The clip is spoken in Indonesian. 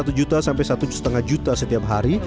berjualan mulus dari satu juta sampai satu lima juta setiap hari